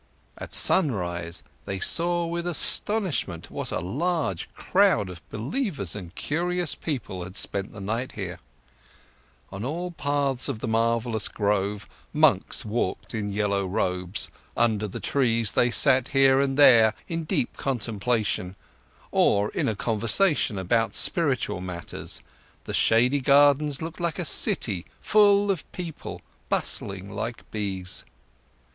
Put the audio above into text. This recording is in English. At sunrise, they saw with astonishment what a large crowd of believers and curious people had spent the night here. On all paths of the marvellous grove, monks walked in yellow robes, under the trees they sat here and there, in deep contemplation—or in a conversation about spiritual matters, the shady gardens looked like a city, full of people, bustling like bees.